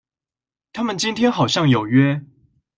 他們今天好像有約